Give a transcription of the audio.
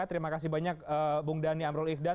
terima kasih banyak bung dhani amrul ihdan